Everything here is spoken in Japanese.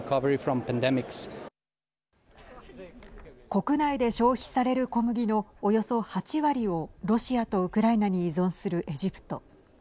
国内で消費される小麦のおよそ８割をロシアとウクライナに依存するエジプト。